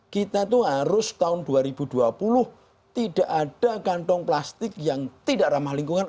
kita tuh harus tahun dua ribu dua puluh tidak ada kantong plastik yang tidak ramah lingkungan